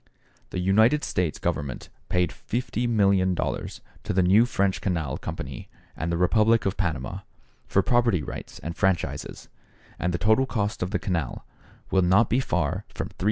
The United States Government paid $50,000,000 to the new French Canal Company and the Republic of Panama, for property rights and franchises, and the total cost of the canal will not be far from $375,000,000.